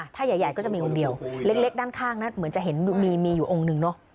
ถ้าใหญ่ก็จะมีองค์เดียวเล็กด้านข้างนะเหมือนจะเห็นมีอยู่องค์หนึ่งเนอะ